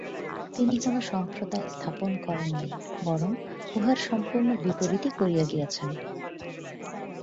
তিনি কোন সম্প্রদায় স্থাপন করেন নাই, বরং উহার সম্পূর্ণ বিপরীতই করিয়া গিয়াছেন।